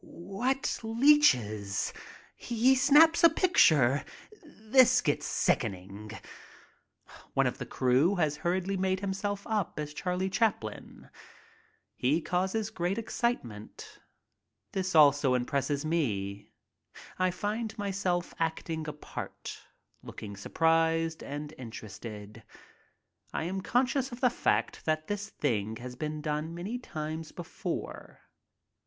What leeches! He snaps a picture. This gets sickening. One of the crew has hurriedly made himself up as " Charley Chaplin." He causes great excitement. This also impresses me. I find myself acting a part, looking surprised and in terested. I am conscious of the fact that this thing has been done many times before.